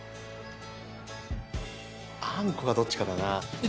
あんこがどっちかだな。